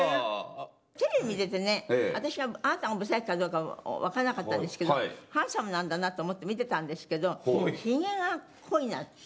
テレビ見ててね私あなたがブサイクかどうかはわからなかったんですけどハンサムなんだなと思って見てたんですけどヒゲが濃いなって。